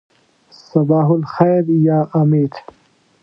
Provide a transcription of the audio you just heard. صباح الخیر یا امیر.